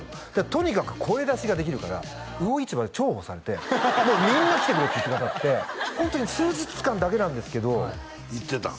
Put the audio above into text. とにかく声出しができるから魚市場で重宝されてもうみんな来てくれって言ってくださってホントに数日間だけなんですけど行ってたん？